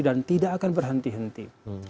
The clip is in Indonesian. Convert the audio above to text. dan tidak akan berhenti henti